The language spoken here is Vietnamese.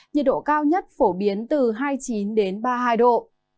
nhiệt độ cao nhất phổ biến từ hai mươi chín ba mươi hai độ